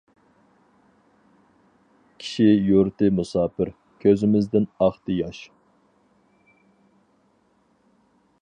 كىشى يۇرتى مۇساپىر، كۆزىمىزدىن ئاقتى ياش.